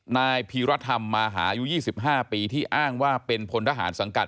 นายพีรธรรมมาหายุ๒๕ปีที่อ้างว่าเป็นพลทหารสังกัด